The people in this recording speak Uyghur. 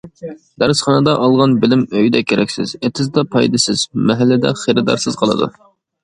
دەرسخانىدا ئالغان بىلىم ئۆيدە كېرەكسىز، ئېتىزدا پايدىسىز، مەھەللىدە خېرىدارسىز قالىدۇ.